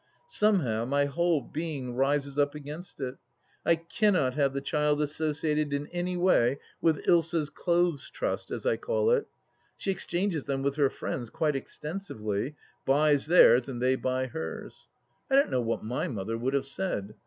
Somehow my whole being rises up against it. I cannot have the child associated in any way with Ilsa's Clothes Trust, as I call it. She exchanges them with her friends, quite extensively, buys theirs and they buy hers. I don't know what my mother would have said.